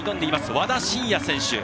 和田伸也選手。